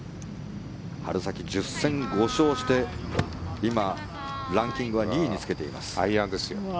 春先、１０戦５勝して今、ランキングは２位につけています。